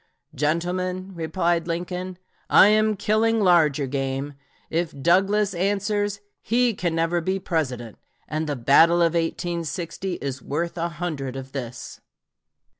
"Gentlemen," replied Lincoln, "I am killing larger game; if Douglas answers, he can never be President, and the battle of 1860 is worth a hundred of this."